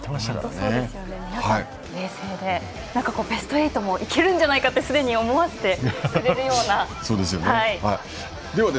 皆さん、冷静でベスト８もいけるんじゃないかと思わせてくれるような。